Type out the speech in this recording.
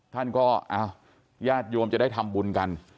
ท่านก็อ้าวญาติโยมจะได้ทำบุญกัน